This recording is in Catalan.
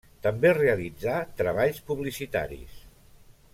També realitzà treballs publicitaris.